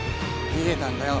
逃げたんだよ